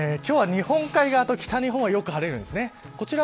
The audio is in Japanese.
今日は日本海側と北日本はよく晴れるんです。